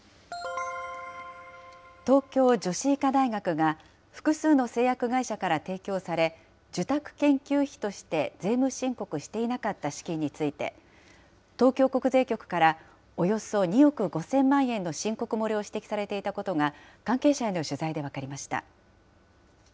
東京女子医科大学が複数の製薬会社から提供され、受託研究費として税務申告していなかった資金について、東京国税局から、およそ２億５０００万円の申告漏れを指摘されていたことが関係者への取材で分かりました。